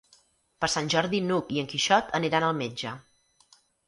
Per Sant Jordi n'Hug i en Quixot aniran al metge.